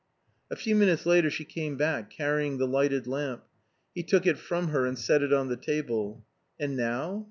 A few minutes later she came back carrying the lighted lamp. He took it from her and set it on the table. "And now?"